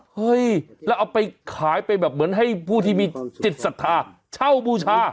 เฮ้ยแล้วเอาไปขายไปแบบเหมือนให้ผู้ที่มีจิตศรัทธาเช่าบูชา